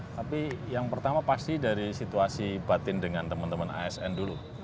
tapi yang pertama pasti dari situasi batin dengan teman teman asn dulu